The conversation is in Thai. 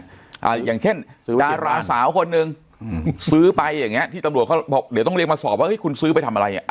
อย่างเช่นซื้อดาราสาวคนหนึ่งอืมซื้อไปอย่างเงี้ที่ตำรวจเขาบอกเดี๋ยวต้องเรียกมาสอบว่าเฮ้คุณซื้อไปทำอะไรอ่ะ